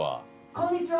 ・こんにちは！